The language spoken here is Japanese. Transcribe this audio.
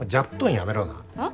やめろなはっ？